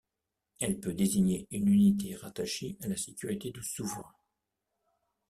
Elle peut désigner une unité rattachée à la sécurité du souverain.